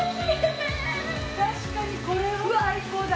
たしかにこれは最高だ。